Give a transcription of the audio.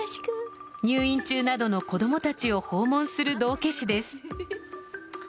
入院中などの子供たちを訪問する道化師です。